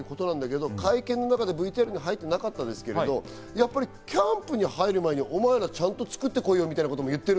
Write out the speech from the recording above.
会見の中でＶＴＲに入ってなかったですけど、やっぱりキャンプに入る前にお前ら、ちゃんと作って来いよみたいなことも言ってる。